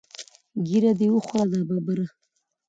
ږیره دې وخوره دا ببره.